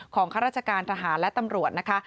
ข้าราชการทหารและตำรวจนะคะ